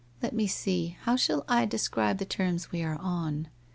Let me see — how shall I describe the terms we are on